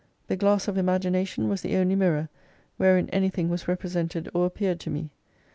The glass of imagination was the only mirror, wherein anything was represented or appeared to me.